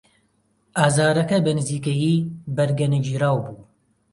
ئازارەکە بەنزیکەیی بەرگەنەگیراو بوو.